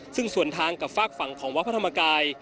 ซึ่งส่วนทางกับฝากฝั่งของวัดพระธรรมกาย